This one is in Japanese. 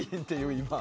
今。